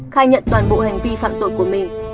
khai nhận toàn bộ hành vi phạm tội của mình